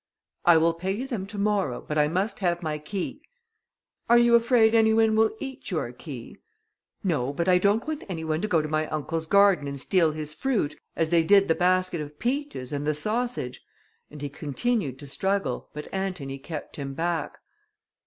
"I will pay you them to morrow, but I must have my key." "Are you afraid any one will eat your key?" "No, but I don't want any one to go to my uncle's garden and steal his fruit, as they did the basket of peaches, and the sausage;" and he continued to struggle, but Antony kept him back.